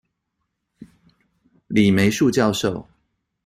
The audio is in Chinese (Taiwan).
李梅樹教授